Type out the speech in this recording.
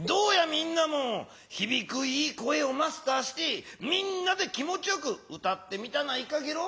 みんなも「ひびくいい声」をマスターしてみんなで気持ちよく歌ってみたないかゲロ？